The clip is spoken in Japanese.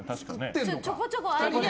ちょこちょこ。